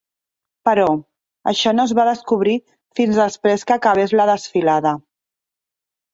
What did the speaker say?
Però, això no es va descobrir fins després que acabés la desfilada.